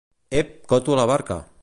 Ep! Coto a la barraca!